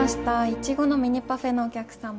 いちごのミニパフェのお客様。